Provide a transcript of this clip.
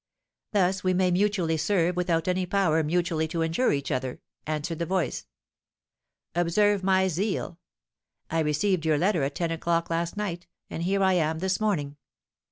'Thus we may mutually serve without any power mutually to injure each other,' answered the voice. 'Observe my zeal! I received your letter at ten o'clock last night, and here I am this morning.